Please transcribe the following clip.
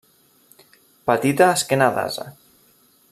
Petita esquena d'ase.